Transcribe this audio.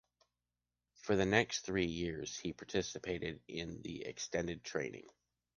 For the next three years he participated in the extended training.